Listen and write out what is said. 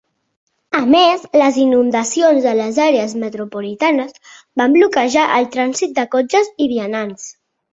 A més, les inundacions a les àrees metropolitanes van bloquejar el trànsit de cotxes i vianants.